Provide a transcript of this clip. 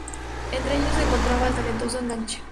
Entre ellos, se encontraba el talentoso enganche.